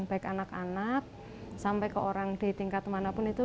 baik anak anak sampai ke orang di tingkat manapun itu